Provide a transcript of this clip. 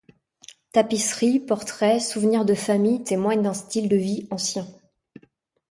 Tapisseries, portraits, souvenirs de famille témoignent d’un style de vie ancien.